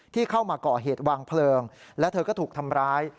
ที่เข้ามาก่อเหตุวางเพลิงและเธอก็ถูกทำร้าย